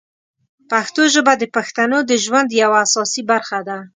پښتو ژبه د پښتنو د ژوند یوه اساسي برخه ده.